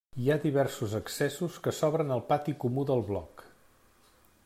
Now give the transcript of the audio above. Hi ha diversos accessos que s'obren al pati comú del bloc.